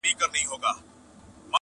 انسان وجدان سره ژوند کوي تل,